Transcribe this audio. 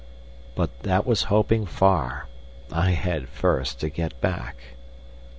But that was hoping far; I had first to get back.